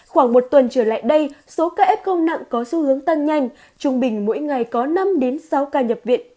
khoảng một tuần trở lại đây số ca f công nặng có xu hướng tăng nhanh trung bình mỗi ngày có năm sáu ca nhập viện